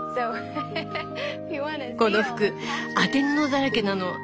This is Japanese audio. この服当て布だらけなの。